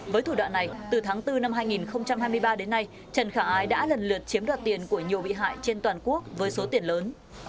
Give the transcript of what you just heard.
với thủ đoạn này từ tháng bốn năm hai nghìn hai mươi ba đến nay trần khả ái đã lần lượt chiếm đoạt tiền của nhiều bị hại trên toàn quốc với số tiền lớn